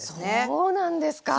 そうなんですか。